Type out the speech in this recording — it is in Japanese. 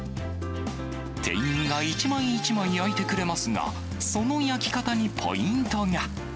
店員が一枚一枚焼いてくれますが、その焼き方にポイントが。